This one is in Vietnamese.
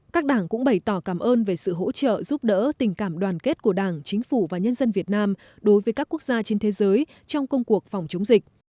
các đảng cũng bày tỏ cảm ơn về sự hỗ trợ giúp đỡ tình cảm đoàn kết của đảng chính phủ và nhân dân việt nam đối với các quốc gia trên thế giới trong công cuộc phòng chống dịch